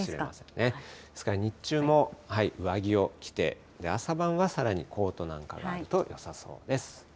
ですから日中も上着を着て、朝晩はさらにコートなんかがあるとよさそうです。